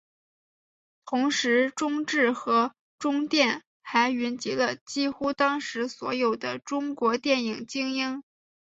同时中制和中电还云集了几乎当时所有的中国电影精英。